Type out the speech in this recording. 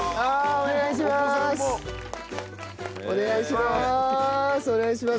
お願いしまーす！